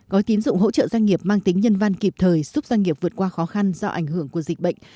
gói tín dụng hỗ trợ doanh nghiệp mang tính nhân văn kịp thời giúp doanh nghiệp vượt qua khó khăn do ảnh hưởng của dịch bệnh